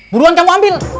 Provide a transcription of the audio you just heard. buruan kamu ambil